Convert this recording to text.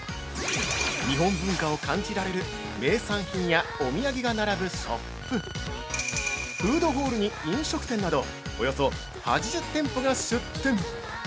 日本文化を感じられる名産品やお土産が並ぶショップ、フードホールに飲食店など、およそ８０店舗が出店！